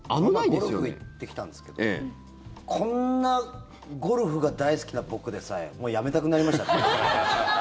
この前ゴルフ行ってきたんですけどこんなゴルフが大好きな僕でさえもうやめたくなりましたね。